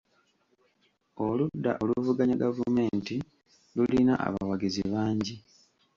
Oludda oluvuganya gavumenti lulina abawagizi bangi.